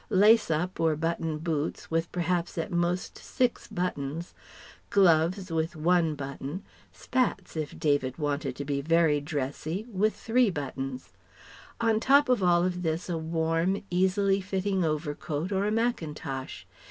Lace up or button boots, with perhaps at most six buttons; gloves with one button; spats if David wanted to be very dressy with three buttons. On top of all this a warm, easily fitting overcoat or a mackintosh.